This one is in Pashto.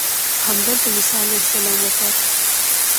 همدلته موسی علیه السلام وفات شو.